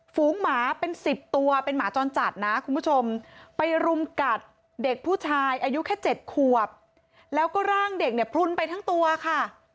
ฝูงหมาเป็น๑๐ตัวเป็นหมาจรจัดนะคุณผู้ชมไปรุมกัดเด็กผู้ชายอายุแค่๗ขวบแล้วก็ร่างเด็กเนี่ยพลุนไปทั้งตัวค่ะ